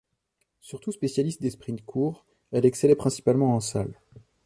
Surtout spécialiste des sprints courts, elle excellait principalement en salle.